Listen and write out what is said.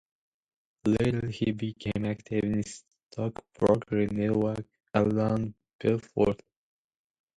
Later he became active in the Stockbroker Network around Belfort.